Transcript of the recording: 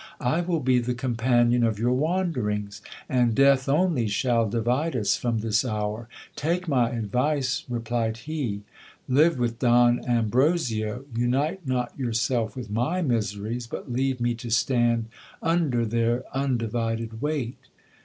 I will be the companion of your wanderings ; and death only shall divide us from this hour. Take my advice, replied he, live with Don Ambrosio ; unite not yourself with my miseries, but leave me to stand under their undivided weight.